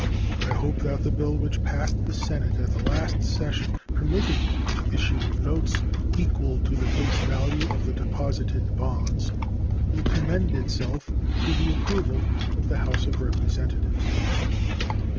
I hope that the bill which passed the Senate at the last session, permitting the issue of notes equal to the face value of the deposited bonds, will commend itself to the approval of the House of Representatives.